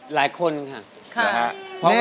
หลายคนค่ะ